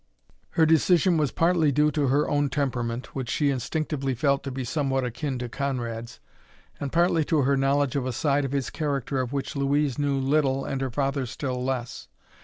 Her decision was partly due to her own temperament, which she instinctively felt to be somewhat akin to Conrad's, and partly to her knowledge of a side of his character of which Louise knew little and her father still less.